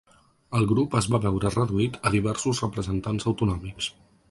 El grup es va veure reduït a diversos representants autonòmics.